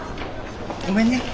ごめんね。